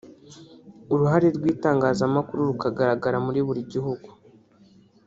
uruhare rw’Itangazamakuru rukagaragara muri buri gihugu